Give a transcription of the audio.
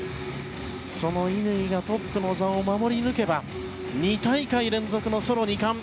その乾がトップの座を守り抜けば２大会連続のソロ２冠。